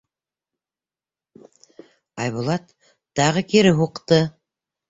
Айбулат тағы кире һуҡты.